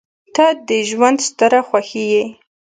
• ته د ژونده ستره خوښي یې.